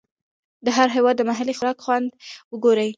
د هر هېواد د محلي خوراک خوند وګورئ.